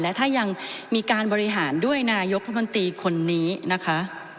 และถ้ายังมีการบริหารด้วยนายกรัฐมนตรีคนนี้นะคะ